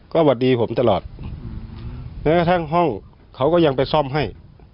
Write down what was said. ก็สวัสดีผมตลอดแม้กระทั่งห้องเขาก็ยังไปซ่อมให้